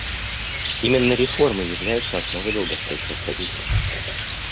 Именно реформы являются основой долгосрочной стабильности.